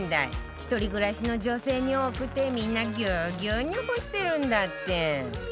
１人暮らしの女性に多くてみんなギュウギュウに干してるんだって